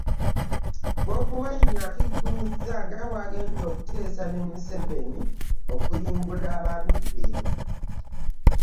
Bobi Wine akiggumizza nga bw'atagenda kuteesa na Museveni kuyimbula bantu be